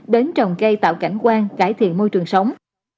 đến trồng cây tạo cảnh quan cải thiện môi trường sống